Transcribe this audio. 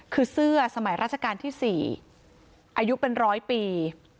คือเสื้อสมัยราชการที่๔อายุเป็นร้อยปี